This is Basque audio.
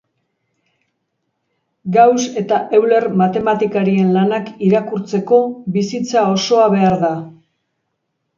Gauss eta Euler matematikarien lanak irakurtzeko bizitza osoa behar da.